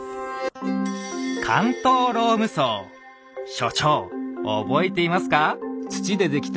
所長覚えていますか？